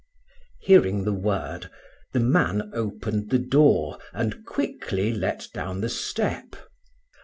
Hearing the word, the man opened the door and quickly let down the step.